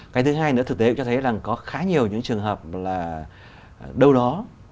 cái thứ hai nữa thực tế cũng cho thấy là có khá nhiều những trường hợp là đâu đó